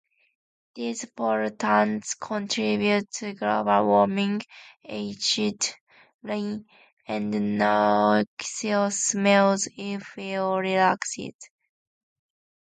These pollutants contribute to global warming, acid rain, and noxious smells if released.